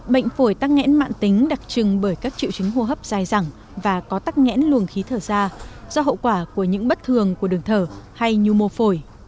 bệnh phổi tắc nghẽn mạng tính đặc trưng bởi các triệu chứng hô hấp dài dẳng và có tắc nghẽn luồng khí thở da do hậu quả của những bất thường của đường thở hay nhu mô phổi